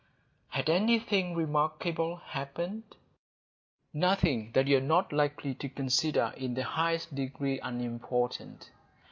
Had anything remarkable happened? Nothing that you are not likely to consider in the highest degree unimportant.